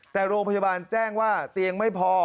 แต่โรงพยาบาลแจ้งว่าเตียงไม่พอ